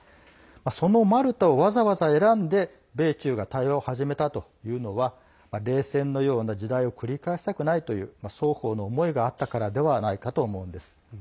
そのマルタをわざわざ選んで米中が対話を始めたというのは冷戦のような時代を繰り返したくないという双方の思いがあったからではないかと思うんです。